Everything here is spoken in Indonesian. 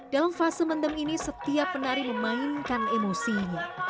dalam fase mendem ini setiap penari memainkan emosinya